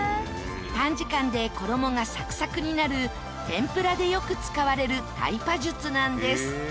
短時間で衣がサクサクになる天ぷらでよく使われるタイパ術なんです。